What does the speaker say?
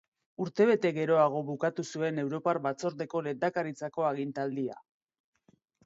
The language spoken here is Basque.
Urtebete geroago bukatu zuen Europar Batzordeko lehendakaritzako agintaldia.